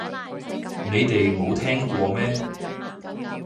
你哋冇聽過咩